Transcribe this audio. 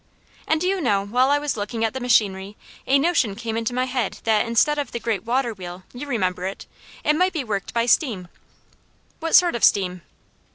"And do you know, while I was looking at the machinery, a notion came into my head that, instead of that great water wheel you remember it? it might be worked by steam." "What sort of steam?"